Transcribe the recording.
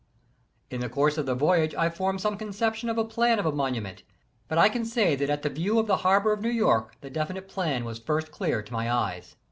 In the course of the voyage I formed some concep tions of a plan of a monument, but I can say that at the view of the harbor of New York the definite plan was first clear to my eyes.